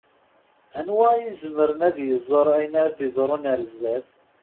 Anwa i izemren ad iẓeṛ ayen ara d-yeḍṛun ar zdat?